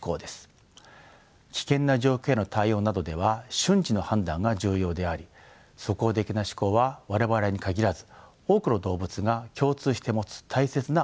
危険な状況への対応などでは瞬時の判断が重要であり即応的な思考は我々に限らず多くの動物が共通して持つ大切な能力です。